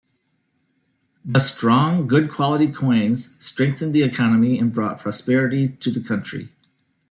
The strong, good-quality coins strengthened the economy and brought prosperity to the country.